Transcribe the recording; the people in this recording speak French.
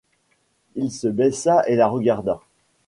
Il se baissa et la regarda.